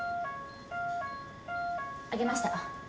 上げました。